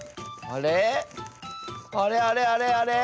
あれあれあれあれ？